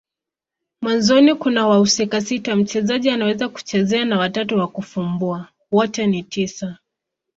Mwanzoni kuna wahusika sita mchezaji anaweza kuchezea na watatu wa kufumbua. Wote ni tisa.